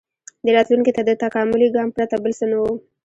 • دې راتلونکي ته د تکاملي ګام پرته بل څه نه و.